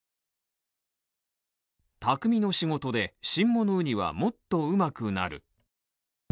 匠の仕事で、新物うにはもっとうまくなる。